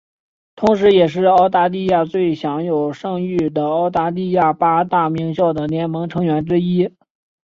同时也是澳大利亚最享有盛誉的澳大利亚八大名校的联盟成员之一。